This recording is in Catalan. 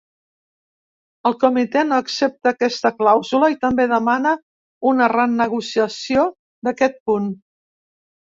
El comitè no accepta aquesta clàusula i també demana una renegociació d’aquest punt.